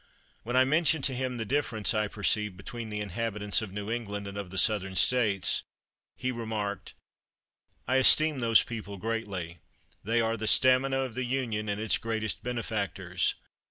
"When I mentioned to him the difference I perceived between the inhabitants of New England and of the Southern States, he remarked: 'I esteem those people greatly; they are the stamina of the Union, and its greatest benefactors.